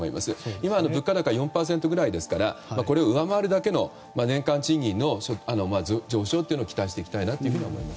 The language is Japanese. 今、物価高は４％ぐらいですからこれを上回るだけの年間賃金の上昇を期待していきたいなと思います。